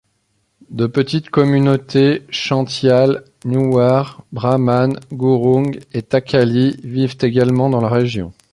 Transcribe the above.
De petites communautés Chantyal, Newar, brahmane, Gurung et Thakali vivent également dans la région.